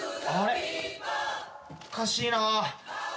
おかしいな。